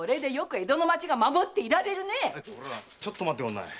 ちょっと待っておくんな。